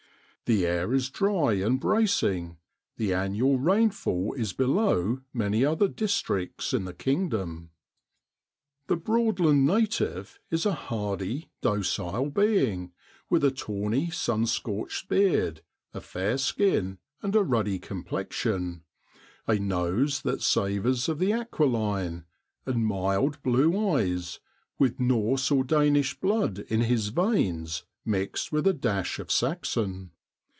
The air is dry and bracing; the annual rainfall is below many other districts in the kingdom. The Broadland native is a hardy, docile being, with a tawny, sun scorched beard, a fair skin and a ruddy complexion, a nose that savours of the aquiline, and mild blue eyes, with Norse or Danish blood in his veins mixed with a dash of Saxon.